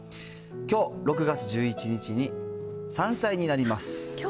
きょう、６月１１日に３歳になります。